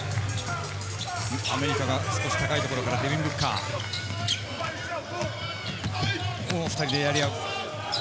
アメリカが少し高いところからケビン・ブッカー、２人でやりあう。